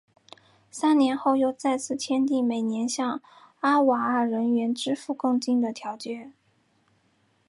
三年后又再次签订每年向阿瓦尔人支付贡金的条约。